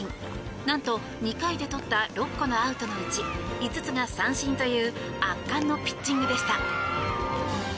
なんと２回で取った６個のアウトのうち５つが三振という圧巻のピッチングでした。